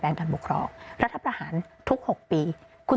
สิ่งที่ประชาชนอยากจะฟัง